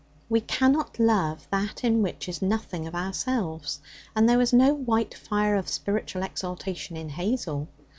We cannot love that in which is nothing of ourselves, and there was no white fire of spiritual exaltation in Hazel.